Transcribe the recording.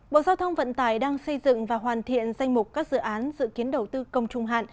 bộ giao thông vận tải đang xây dựng và hoàn thiện danh mục các dự án dự kiến đầu tư công trung hạn